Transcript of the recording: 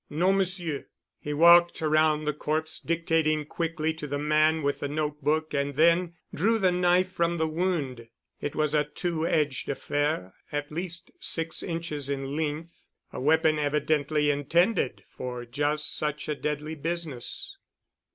"No, Monsieur." He walked around the corpse dictating quickly to the man with the note book and then drew the knife from the wound. It was a two edged affair at least six inches in length, a weapon evidently intended for just such a deadly business.